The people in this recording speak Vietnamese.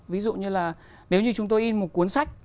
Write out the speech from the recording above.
ví dụ như là nếu như chúng tôi in một cuốn sách